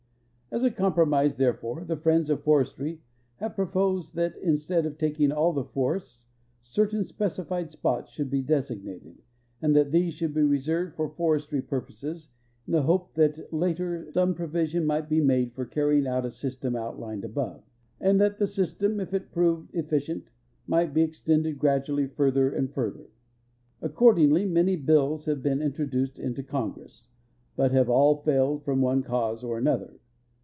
As a com[iromise, therefore, the friends of forestry have i)r()posed that, instead of taking all the forests, certain specified s|)ots should be designated, and that these should l)e reserved for forestry pur poses in the hojie tliat later some provision might l)e made for carr3'ing out a system outlined above, and that the system, if it proved eflicient, might be extended gradually further and fur ther. Accordingly many bills have been introduced into Con gress, but have all failed from one cause or another.